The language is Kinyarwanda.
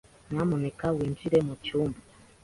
Nyamuneka winjire mucyumba.